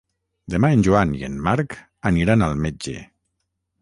Demà en Joan i en Marc aniran al metge.